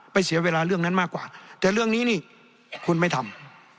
เสียเวลาเรื่องนั้นมากกว่าแต่เรื่องนี้นี่คุณไม่ทำ